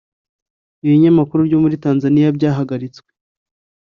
Ibinyamakuru byo muri tanzaniya byahagaritswe